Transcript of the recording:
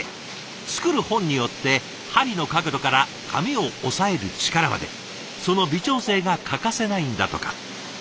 作る本によって針の角度から紙を押さえる力までその微調整が欠かせないんだとか。